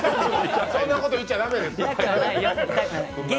そんなこと言っちゃ駄目です。